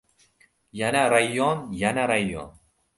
— Yana rayon, yana rayon!